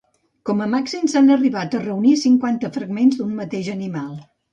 Com a màxim, s’han arribat a reunir cinquanta fragments d’un mateix animal.